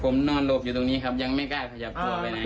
ผมนอนหลบอยู่ตรงนี้ครับยังไม่กล้าขยับตัวไปไหน